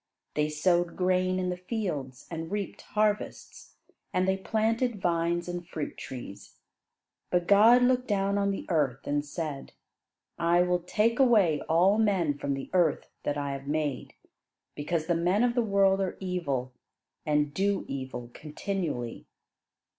They sowed grain in the fields and reaped harvests, and they planted vines and fruit trees. But God looked down on the earth and said: "I will take away all men from the earth that I have made; because the men of the world are evil, and do evil continually."